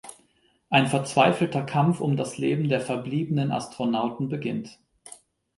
Ein verzweifelter Kampf um das Leben der verbliebenen Astronauten beginnt.